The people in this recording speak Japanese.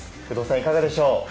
有働さん、いかがでしょう？